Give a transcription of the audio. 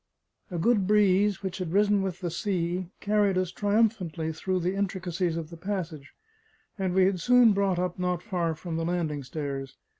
A good breeze, which had risen with the sea, carried us triumphantly through the intricacies of the passage; and we had soon brought up not far from the landing stairs.